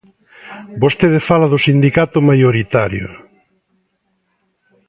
Vostede fala do sindicato maioritario.